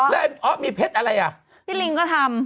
แล้วมีเพชรอะไรอ่ะพี่ลิงก็ทำ